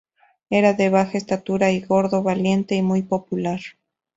Era de baja estatura y gordo, valiente y muy popular.